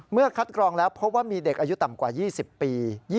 คัดกรองแล้วพบว่ามีเด็กอายุต่ำกว่า๒๐ปี